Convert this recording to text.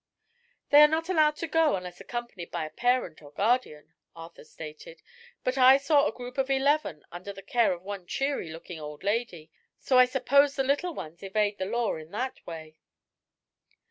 "They are not allowed to go unless accompanied by a parent or guardian," Arthur stated; "but I saw a group of eleven under the care of one cheery looking old lady, so I suppose the little ones evade the law in that way."